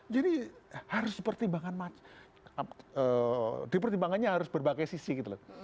harus dipertimbangkan dipertimbangkannya harus berbagai sisi gitu loh